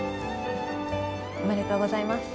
おめでとうございます。